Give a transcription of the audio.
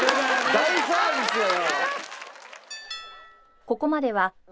大サービスやな。